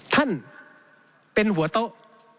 ท่านเป็นหัวโต๊ะ